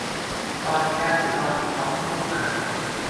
ตอนแคปหรือตอนไปก๊อปรูปมา